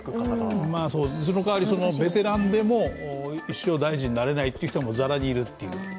その代わりベテランでも大臣になれないという人もざらにいるという。